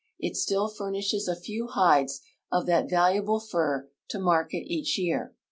It still furnishes a few hides of that valuable fur to market each year.